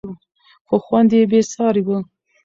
خو خوند یې بېساری و.